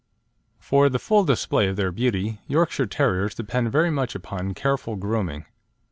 For the full display of their beauty, Yorkshire Terriers depend very much upon careful grooming.